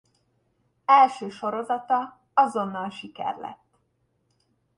Első sorozata azonnal siker lett.